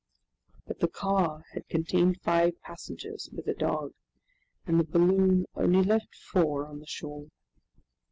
But the car had contained five passengers, with a dog, and the balloon only left four on the shore.